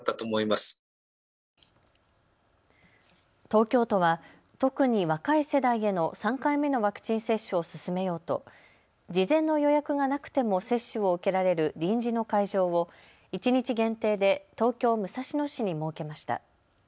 東京都は特に若い世代への３回目のワクチン接種を進めようと事前の予約がなくても接種を受けられる臨時の会場を一日限定で東京武蔵野市に設けました。